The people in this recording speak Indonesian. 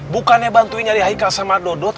bukannya bantuin nyari haikal sama dodot